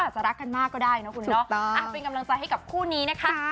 ส้มเขามาตั้งแต่๓ปี